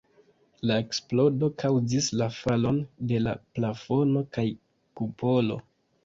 La eksplodo kaŭzis la falon de la plafono kaj kupolo.